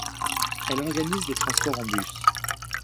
Elle organise des transports en bus.